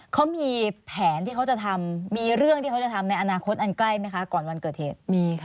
เขามีแผนที่เขาจะทำมีเรื่องที่เขาจะทำในอนาคตอันใกล้ไหมคะก่อนวันเกิดเหตุมีค่ะ